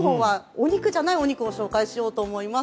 お肉じゃないお肉を紹介しようと思います。